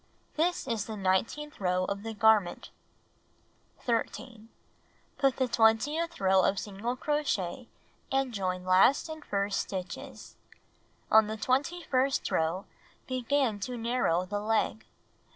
This is the nineteenth row of the garment. 13. Make the twentieth row of single crochet and join last and first stitches. On the twenty first row, begin to narrow the leg.